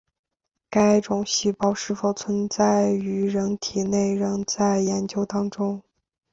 该种细胞是否存在于人体内仍在研究当中。